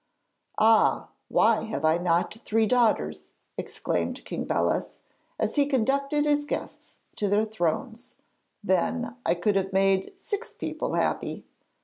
'Ah, why have I not three daughters!' exclaimed King Belus, as he conducted his guests to their thrones; 'then I could have made six people happy!